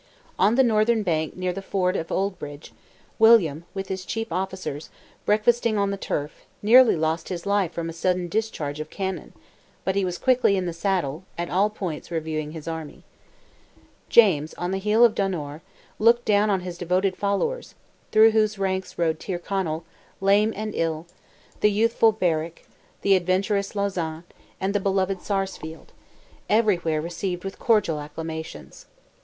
On the northern bank near to the ford of Oldbridge, William, with his chief officers, breakfasting on the turf, nearly lost his life from a sudden discharge of cannon; but he was quickly in the saddle, at all points reviewing his army. James, on the hill of Donore, looked down on his devoted defenders, through whose ranks rode Tyrconnell, lame and ill, the youthful Berwick, the adventurous Lauzan, and the beloved Sarsfield—everywhere received with cordial acclamations.